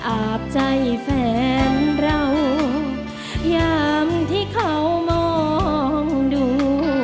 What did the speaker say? อาบใจแฟนเรายามที่เขามองดู